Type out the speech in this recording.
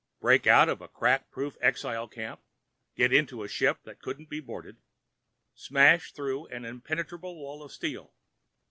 Break out of a crack proof exile camp—get onto a ship that couldn't be boarded—smash through an impenetrable wall of steel.